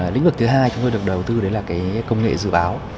lĩnh vực thứ hai chúng tôi được đầu tư là công nghệ dự báo